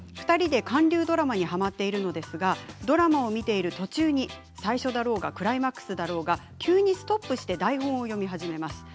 ２人で韓流ドラマにはまっているのですがドラマを見ている途中に最初だろうがクライマックスだろうが、急にストップして台本を読み始めます。